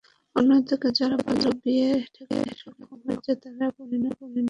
অন্যদিকে যারা বাল্যবিয়ে ঠেকাতে সক্ষম হয়েছে, তারা পরিণত বয়সে বিয়ে করেছে।